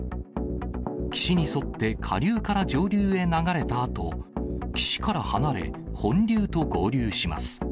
岸に沿って下流から上流へ流れたあと、岸から離れ、本流と合流します。